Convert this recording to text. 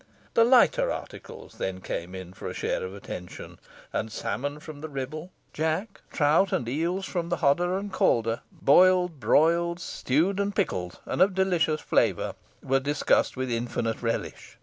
The lighter articles then came in for a share of attention, and salmon from the Ribble, jack, trout, and eels from the Hodder and Calder, boiled, broiled, stewed, and pickled, and of delicious flavour, were discussed with infinite relish.